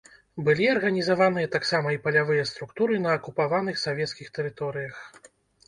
Былі арганізаваныя таксама і палявыя структуры на акупаваных савецкіх тэрыторыях.